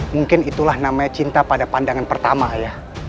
mungkin itulah namanya cinta pada pandangan pertama ya